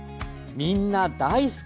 みんな大好き。